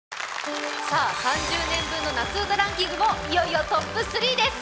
３０年分の夏うたランキングもいよいよＴＯＰ３です。